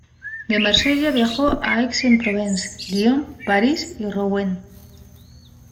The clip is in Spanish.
De Marsella viajó a Aix-en-Provence, Lyon, París y Rouen.